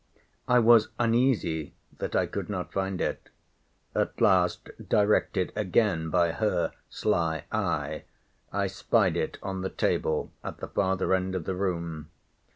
I was uneasy that I could not find it—at last, directed again by her sly eye, I spied it on the table at the farther end of the room.